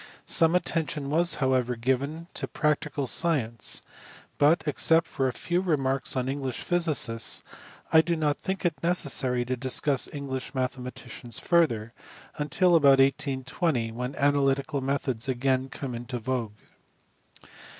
Some attention was however given to practical science, but, except for a few remarks on English physicists, I do not think it necessary to discuss, English mathematics further, until about 1820 when analytical methods again came into vogue.